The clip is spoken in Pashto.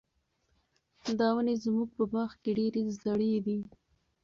دا ونې زموږ په باغ کې ډېرې زړې دي.